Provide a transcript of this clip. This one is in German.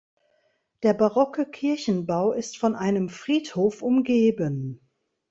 Der barocke Kirchenbau ist von einem Friedhof umgeben.